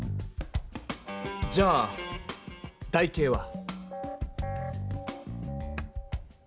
じゃあ台形は。